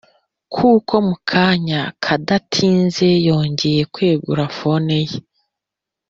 kuko mukanya kadatinze yongeye kwegura fone ye